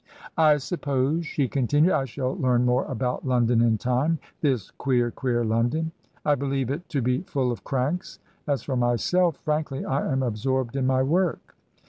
" I suppose," she continued, " I shall learn more about London in time. This queer, queer London ! I believe it to be full of cranks. As for myself— frankly, I am absorbed in my work.